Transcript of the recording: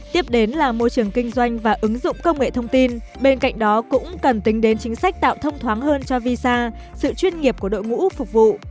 tiếp đến là môi trường kinh doanh và ứng dụng công nghệ thông tin bên cạnh đó cũng cần tính đến chính sách tạo thông thoáng hơn cho visa sự chuyên nghiệp của đội ngũ phục vụ